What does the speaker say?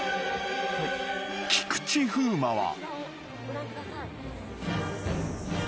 ［菊池風磨は］